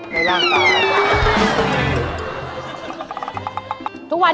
ในร่างตา